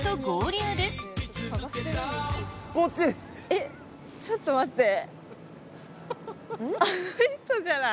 ・えっちょっと待って。